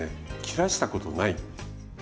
切らしたことない。